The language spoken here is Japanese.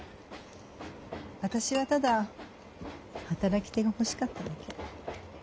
私はただ働き手が欲しかっただけ。